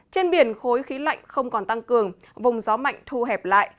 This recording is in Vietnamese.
trên biển khối khí lạnh không còn tăng cường vùng gió mạnh thu hẹp lại